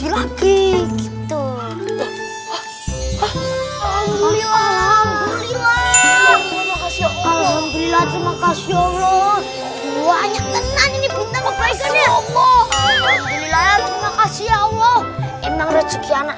allah banyak tenang ini bintang bintangnya allah alhamdulillah terima kasih allah emang rezeki anak